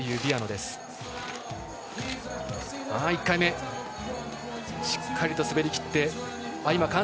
１回目、しっかりと滑りきって。